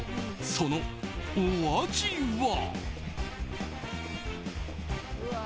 そのお味は。